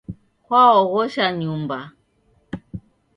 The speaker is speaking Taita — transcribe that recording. Kwaoghosha Nyumba.